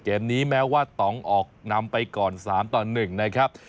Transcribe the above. เกมนี้แม้ว่าต้องออกนำไปก่อน๓ต่อ๑นะครับ